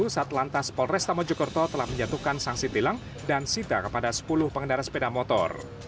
setelantas polresta mejokerto telah menyatukan sanksi tilang dan sida kepada sepuluh pengendara sepeda motor